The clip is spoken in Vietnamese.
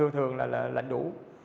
thường là lạnh đủ